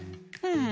うん。